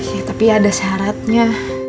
ya tapi ada syaratnya